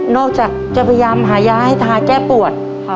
นอกจากจะพยายามหาย้าให้ทาแก้ปวด